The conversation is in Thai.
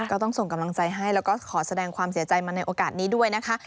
ก็ต้องส่งกำลังใจให้แล้วก็ขอแสดงความเสียใจมาในโอกาสนี้ด้วยนะคะ